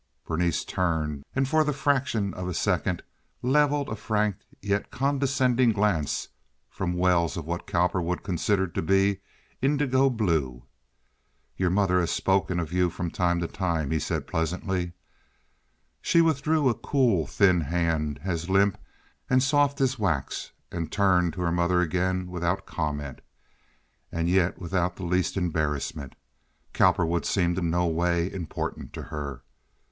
Berenice turned, and for the fraction of a second leveled a frank and yet condescending glance from wells of what Cowperwood considered to be indigo blue. "Your mother has spoken of you from time to time," he said, pleasantly. She withdrew a cool, thin hand as limp and soft as wax, and turned to her mother again without comment, and yet without the least embarrassment. Cowperwood seemed in no way important to her.